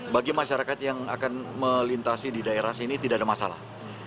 bagi masyarakat yang akan melintasi di daerah sini tidak ada masalah